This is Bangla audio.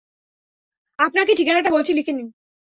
আপনাকে ঠিকানাটা বলছি, লিখে নিন।